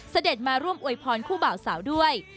เสด็จมาร่วมอวยพรคู่บ่าวสาวด้วย